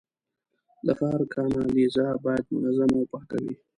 د ښار کانالیزه باید منظمه او پاکه وي.